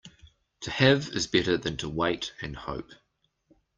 To have is better than to wait and hope.